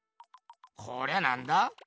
こりゃなんだ？